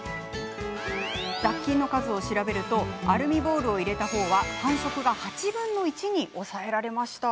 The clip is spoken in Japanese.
雑菌の数を調べるとアルミボールを入れた方は繁殖が８分の１に抑えられました。